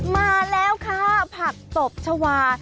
มาแล้วค่ะผักตบชาวา